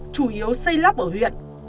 chủ yếu xây lắp ở huyện